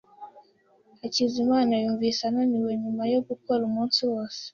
Hakizimana yumvise ananiwe nyuma yo gukora umunsi wose.